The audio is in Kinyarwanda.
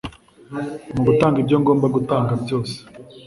mugutanga ibyo ngomba gutanga byose.